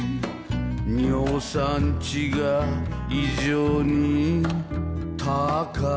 「尿酸値が異常に高い」